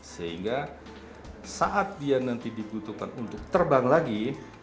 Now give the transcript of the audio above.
sehingga saat dia nanti dibutuhkan untuk terbang lagi